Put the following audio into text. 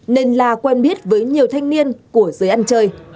nên la quen biết với nhiều thanh niên của giới ăn chơi